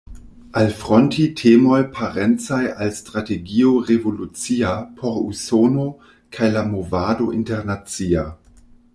Alfronti temoj parencaj al strategio revolucia por Usono kaj la movado internacia.